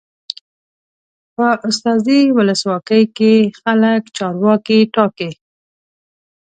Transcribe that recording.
په استازي ولسواکۍ کې خلک چارواکي ټاکي.